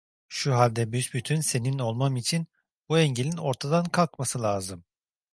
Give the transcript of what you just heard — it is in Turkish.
Şu halde büsbütün senin olmam için bu engelin ortadan kalkması lazım.